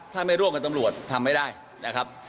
ถ้าไม่ร่วมกับตำรวจทำไม่ได้นะครับ